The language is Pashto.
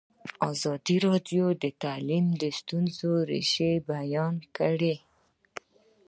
ازادي راډیو د تعلیم د ستونزو رېښه بیان کړې.